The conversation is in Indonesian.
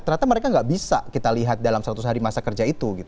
ternyata mereka nggak bisa kita lihat dalam seratus hari masa kerja itu